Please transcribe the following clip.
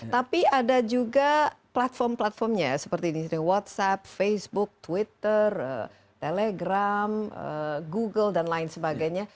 tapi ada juga platform platformnya seperti misalnya whatsapp facebook twitter telegram google dan lain sebagainya